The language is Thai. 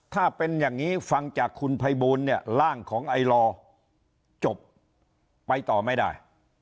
ถ้าเป็นอย่างนี้ฟังจากคุณภัยบูลเนี่ยร่างของไอลอจบไปต่อไม่ได้